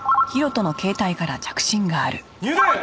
入電！